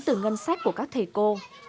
từ ngân sách của các thầy cô